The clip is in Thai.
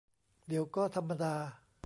เดี๋ยวก็ธรรมดา